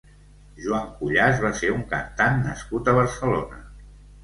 Joan Cuyàs va ser un cantant nascut a Barcelona.